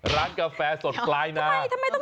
ร้านกาแฟสดปลายนา